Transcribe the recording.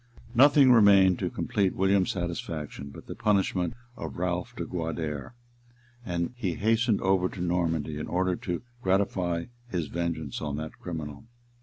Nothing remained to complete William's satisfaction but the punishment of Ralph de Guader; and he hastened over to Normandy, in order to gratify his vengeance on that criminal.